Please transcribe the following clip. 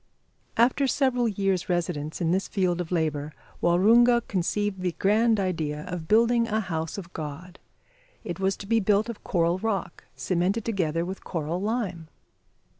After several years' residence in this field of labour, Waroonga conceived the grand idea of building a house of God. It was to be built of coral rock, cemented together with coral lime!